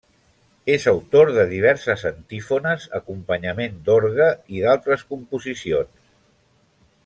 És autor de diverses antífones, acompanyament d'orgue i d'altres composicions.